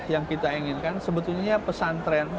yang kita inginkan sebetulnya pesantren